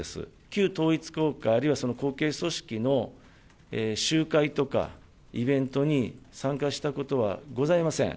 旧統一教会、あるいはその後継組織の集会とか、イベントに参加したことはございません。